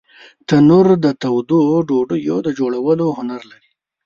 تنور د تودو ډوډیو د جوړولو هنر لري